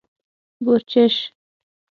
🐊 بورچېش